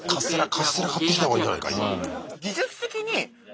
カステラ買ってきた方がいいんじゃないか？